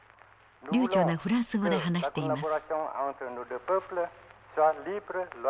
流暢なフランス語で話しています。